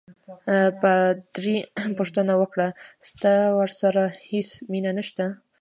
پادري پوښتنه وکړه: ستا ورسره هیڅ مینه نشته؟